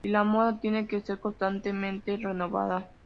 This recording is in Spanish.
Y la moda tiene que ser constantemente renovada.